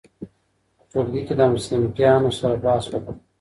په ټولګي کي د همصنفیانو سره بحث وکړه.